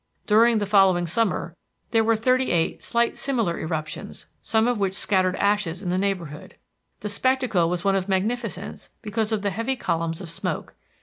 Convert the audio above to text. During the following summer there were thirty eight slight similar eruptions, some of which scattered ashes in the neighborhood. The spectacle was one of magnificence because of the heavy columns of smoke.